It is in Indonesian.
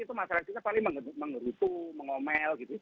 itu masyarakat kita paling mengerutu mengomel gitu